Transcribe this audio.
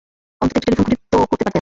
অন্তত একটি টেলিফোন খুঁটি তো করতে পারতেন।